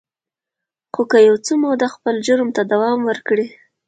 خو که يو څه موده خپل جرم ته دوام ورکړي.